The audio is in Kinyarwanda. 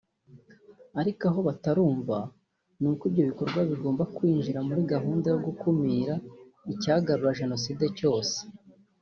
Ariko aho batarumva ni uko ibyo bikorwa bigomba kwinjira muri gahunda yo gukumira icyagarura genocide cyose